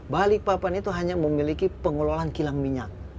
balikpapan itu hanya memiliki pengelolaan kilang minyak